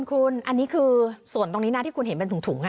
คุณอันนี้คือส่วนตรงนี้นะที่คุณเห็นเป็นถุง